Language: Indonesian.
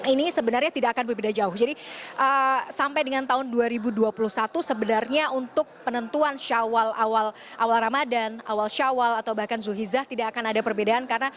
ini sebenarnya tidak akan berbeda jauh jadi sampai dengan tahun dua ribu dua puluh satu sebenarnya untuk penentuan syawal awal ramadan awal syawal atau bahkan zulhizah tidak akan ada perbedaan